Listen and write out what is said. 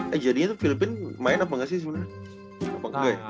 eh jadinya tuh filipina main apa gak sih sebenernya